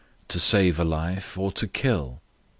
To save a life, or to kill?"